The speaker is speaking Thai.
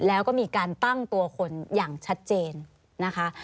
แล้วก็มีการตั้งตัวคนอย่างชัดเจนนะคะ